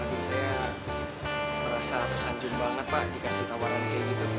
aduh saya merasa tersanjun banget pak dikasih tawaran kayak gitu